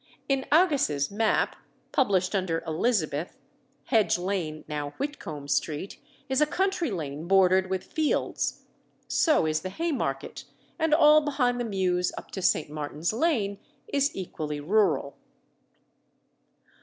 In Aggas's map, published under Elizabeth, Hedge Lane (now Whitcombe Street) is a country lane bordered with fields; so is the Haymarket, and all behind the Mews up to St. Martin's Lane is equally rural.